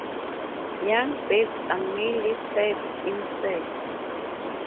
Young birds are mainly fed insects.